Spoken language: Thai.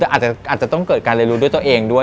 อาจจะต้องเกิดการเรียนรู้ด้วยตัวเองด้วย